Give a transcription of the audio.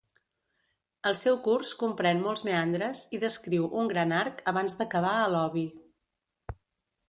El seu curs comprèn molts meandres i descriu un gran arc abans d'acabar a l'Obi.